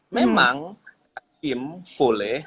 memang hakim boleh